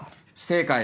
正解！